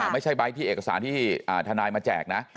ไม่ใช่ใบที่เอกสารที่ทนายมาแจกนะ